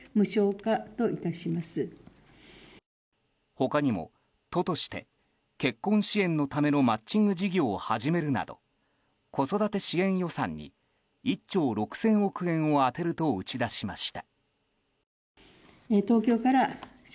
他にも都として結婚支援のためのマッチング事業を始めるなど子育て支援予算に１．６兆円を充てると打ち出しました。